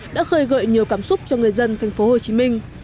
đã khơi gợi nhiều cảm xúc cho người dân thành phố hồ chí minh